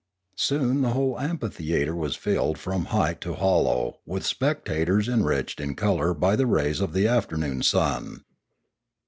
Soon the whole amphitheatre was filled from height to hollow with spectators enriched in colour by the rays of the afternoon sun.